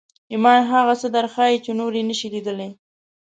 ایمان هغه څه درښيي چې نور یې نشي لیدلی